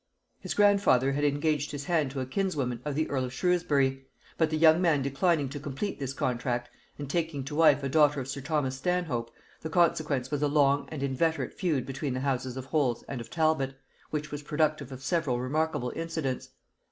His grandfather had engaged his hand to a kinswoman of the earl of Shrewsbury; but the young man declining to complete this contract, and taking to wife a daughter of sir Thomas Stanhope, the consequence was a long and inveterate feud between the houses of Holles and of Talbot, which was productive of several remarkable incidents.